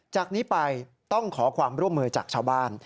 จากนี้ไปต้องขอความร่วมมือจากชาวบ้าน